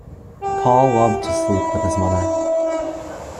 Paul loved to sleep with his mother.